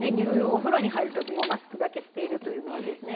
お風呂に入るときもマスクだけしているというのはですね。